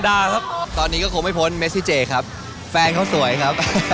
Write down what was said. อย่างนี้มาสิบหน้า